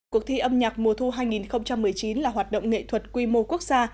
cuộc thi âm nhạc mùa thu hai nghìn một mươi chín là hoạt động nghệ thuật quy mô quốc gia